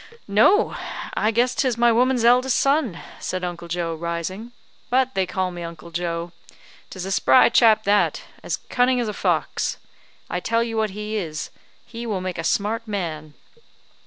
"No! I guess 'tis my woman's eldest son," said Uncle Joe, rising, "but they call me Uncle Joe. 'Tis a spry chap that as cunning as a fox. I tell you what it is he will make a smart man.